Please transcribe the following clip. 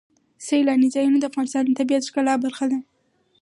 سیلانی ځایونه د افغانستان د طبیعت د ښکلا برخه ده.